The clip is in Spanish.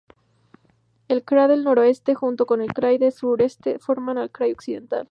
El krai del Noroeste junto con el krai del Suroeste formaba el krai Occidental.